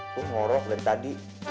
itu ngorok dari tadi